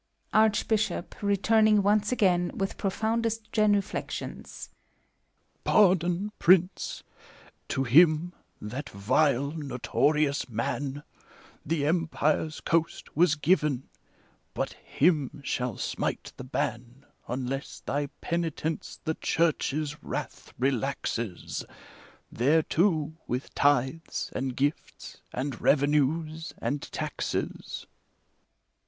ARCHB^HOP (returning once again, with profoundest genuflections) . Pardon, Prince ! to him, that vile, notorious man, The Empire's coast was given ; but him shall smite the ban, Unless thy penitence the Church's wrath relaxes There, too, with tithes and gifts, and revenues and taxes.